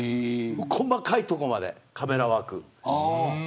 細かいところまでカメラワーク。